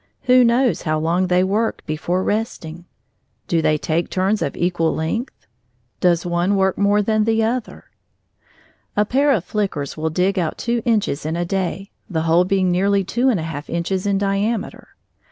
Who knows how long they work before resting? Do they take turns of equal length? Does one work more than the other? A pair of flickers will dig about two inches in a day, the hole being nearly two and a half inches in diameter.